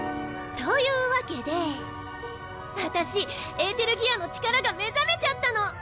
というわけで私エーテルギアの力が目覚めちゃったの！